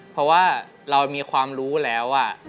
เพราะว่าเรามีความรู้แล้ว